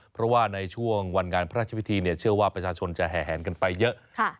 เพราะว่าในช่วงวันงานพระราชพิธีเชื่อว่าประชาชนจะแห่แหนกันไปเยอะ